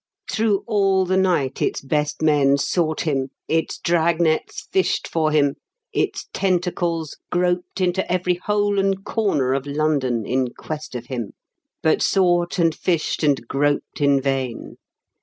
III Through all the night its best men sought him, its dragnets fished for him, its tentacles groped into every hole and corner of London in quest of him, but sought and fished and groped in vain.